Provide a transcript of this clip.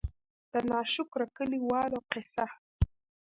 د نا شکره کلي والو قيصه :